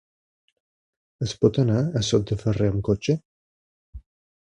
Es pot anar a Sot de Ferrer amb cotxe?